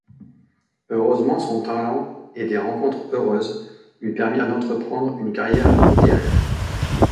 Heureusement son talent et des rencontres heureuses lui permirent d'entreprendre une carrière littéraire.